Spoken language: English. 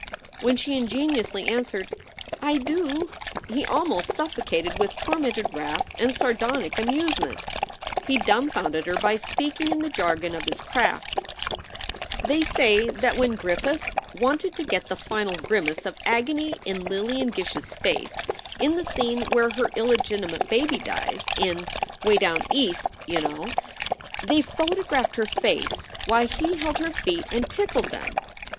When she ingenuously answered, "I do," he almost suffocated with tormented wrath and sardonic amusement. He dumfounded her by speaking in the jargon of his craft: "They say that when Griffith wanted to get the final grimace of agony in Lillian Gish s face in the scene where her illegitimate baby dies in Way Down East, you know they photographed her face while he held her feet and tickled them.